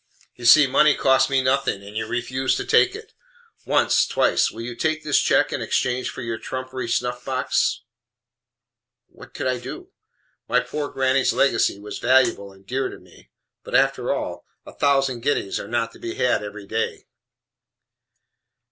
"You see money costs me nothing, and you refuse to take it! Once, twice; will you take this check in exchange for your trumpery snuff box?" What could I do? My poor granny's legacy was valuable and dear to me, but after all a thousand guineas are not to be had every day.